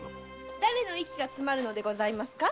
誰の息が詰まるのでございますか？